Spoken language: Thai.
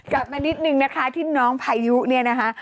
กลับมานิดนึงนะคะที่น้องพายุเนี่ยนะคะ